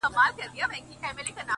زړه مي د اشنا په لاس کي وليدی ـ